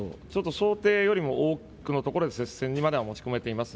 想定よりも多くのところで接戦にまでは持ち込めています。